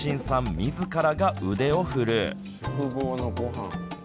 みずからが腕を振るう。